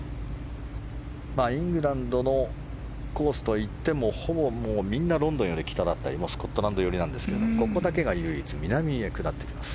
イングランドのコースといってもほぼみんなロンドンより北だったりスコットランド寄りなんですがここだけが唯一南へ下っていきます。